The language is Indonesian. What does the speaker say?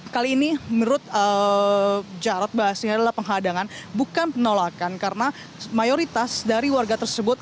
kali ini menurut jarod bahas ini adalah penghadangan bukan penolakan karena mayoritas dari warga tersebut